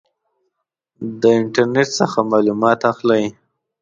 د انټرنټ څخه معلومات اخلئ؟